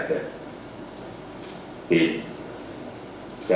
dari intelijen di polling ada b